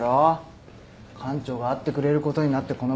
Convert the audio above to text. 館長が会ってくれることになってこの場があるんだ。